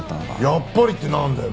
「やっぱり」ってなんだよ